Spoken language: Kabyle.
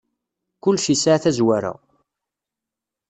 Kullec yesɛa tazwara.